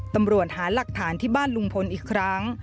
ตำรวจหาหลักฐานที่บ้านลุงพลอีกครั้ง